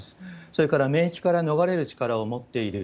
それから免疫から逃れる力を持っている。